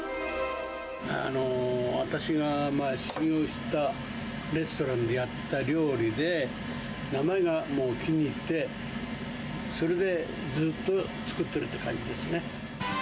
私が修業したレストランでやってた料理で、名前が気に入って、それで、ずっと作ってるって感じですね。